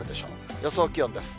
予想気温です。